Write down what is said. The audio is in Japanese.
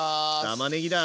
たまねぎだ。